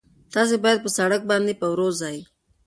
تاسي باید په سړک باندې په ورو ځئ.